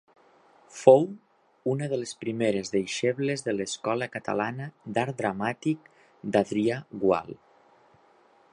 Fou una de les primeres deixebles de l'Escola Catalana d'Art Dramàtic d'Adrià Gual.